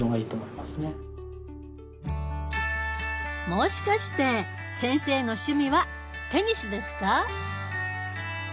もしかして先生の趣味はテニスですか？